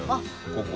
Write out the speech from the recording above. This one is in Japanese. ここ。